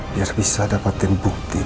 biar bisa dapetin bukti